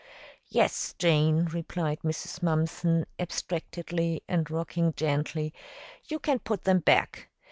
"Yes, Jane," replied Mrs. Mumpson abstractedly and rocking gently, "you can put them back.